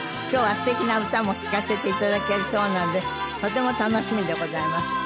今日はすてきな歌も聴かせて頂けるそうなのでとても楽しみでございます。